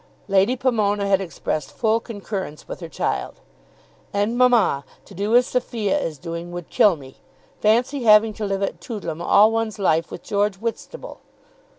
Lady Pomona had expressed full concurrence with her child. "And, mamma, to do as Sophia is doing would kill me. Fancy having to live at Toodlam all one's life with George Whitstable!"